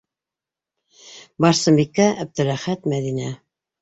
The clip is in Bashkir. Барсынбикә, Әптеләхәт, Мәҙинә.